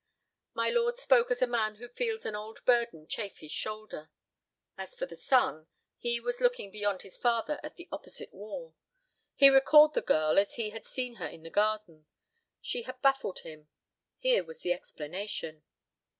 My lord spoke as a man who feels an old burden chafe his shoulder. As for the son, he was looking beyond his father at the opposite wall. He recalled the girl as he had seen her in the garden. She had baffled him. Here was the explanation.